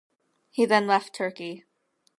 He then left Turkey.